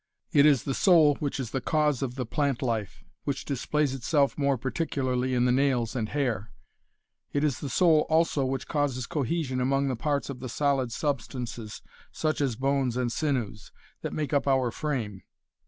It is the soul which is the cause of the plant life, which displays itself more particularly in the nails and hair; it is the soul also which causes cohesion among the parts of the solid substances such as bones and sinews, that make up our frame.